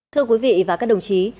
thưa quý vị và các đồng chí